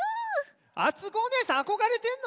あつこおねえさんあこがれてんの？